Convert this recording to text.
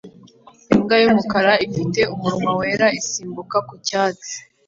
Imbwa yumukara ifite umunwa wera isimbuka ku cyatsi